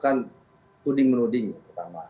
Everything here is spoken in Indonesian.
kita harus melakukan tuding menuding yang pertama